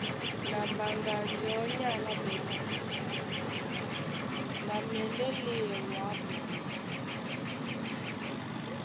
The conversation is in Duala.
Na Mbaŋganjɔ̌ ní álaɓɛ́ ná : Na mɛndɛ́ léɛ wǎ moto.